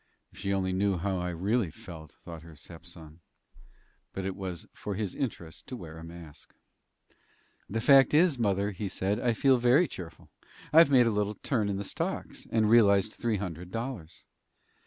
"If she only knew how I really felt," thought her stepson. But it was for his interest to wear a mask. "The fact is, mother," he said, "I feel very cheerful. I've made a little turn in stocks, and realized three hundred dollars."